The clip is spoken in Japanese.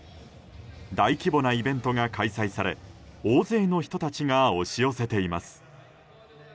大規模なイベントが開催され大勢の人たちが押し寄せています。